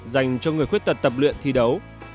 dành cho người khuyết tật tập luyện thi đấu